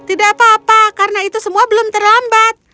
tidak apa apa karena itu semua belum terlambat